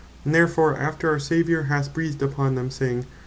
And therefore after our Saviour had breathed upon them, saying, (John 20.